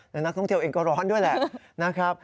แต่นักท่องเที่ยวเองก็ร้อนด้วยแหละนะครับ